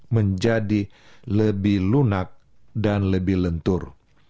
menjadi lebih lunak dan lebih lentur